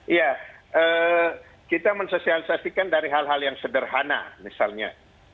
iya kita mensosialisasikan dari hal hal yang sederhana misalnya